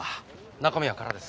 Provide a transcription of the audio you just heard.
中身は空です。